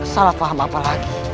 salah faham apa lagi